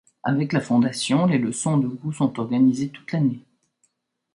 Avec la fondation, les Leçons de Goût sont organisées toute l'année.